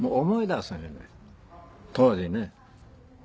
当時ね。